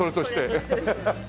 ハハハハッ。